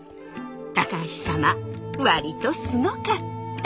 高橋様割とすごかった。